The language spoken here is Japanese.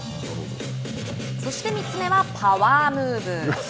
そして３つ目はパワームーブ。